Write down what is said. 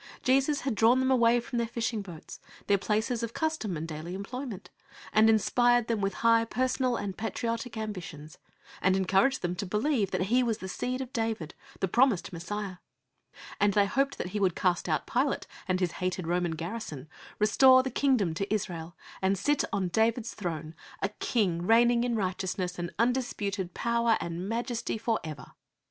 Jesus had drawn them away from their fishing boats, their places of custom and daily employment, and inspired them with high personal and patriotic ambitions, and encouraged them to believe that He was the Seed of David, the promised Messiah; and they hoped that He would cast out Pilate and his hated Roman garrison, restore the kingdom to Israel, and sit on David's throne, a King, reigning in righteousness and undisputed power and majesty for ever.